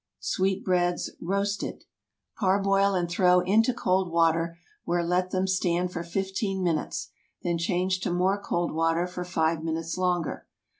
SWEET BREADS (Roasted.) Parboil and throw into cold water, where let them stand for fifteen minutes. Then change to more cold water for five minutes longer.